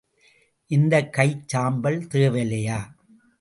இந்தக் கைச் சாம்பல் தேவலையா?